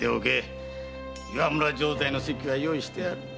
岩村城代の席は用意してある。